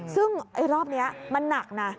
ซึ่งรอบนี้มันหนักนะ